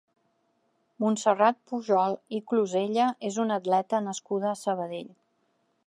Montserrat Pujol i Clusella és una atleta nascuda a Sabadell.